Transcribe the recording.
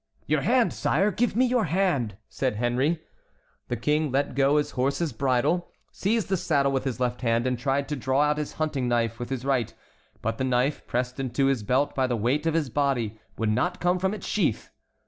"Your hand, sire, give me your hand," said Henry. The King let go his horse's bridle, seized the saddle with his left hand, and tried to draw out his hunting knife with his right; but the knife, pressed into his belt by the weight of his body, would not come from its sheath.